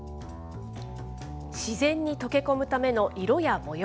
自然に溶け込むための色や模様。